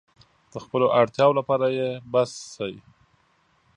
د خپلو اړتیاوو لپاره يې بس شي.